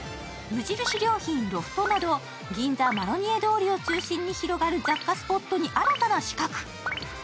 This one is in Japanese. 無印良品、ロフトなど、銀座マロニエ通りに広がる雑貨スポットに、新たな刺客。